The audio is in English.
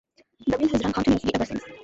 The mill has run continuously ever since.